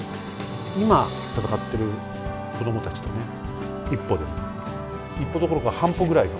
今戦ってる子供たちとね一歩でも一歩どころか半歩ぐらい。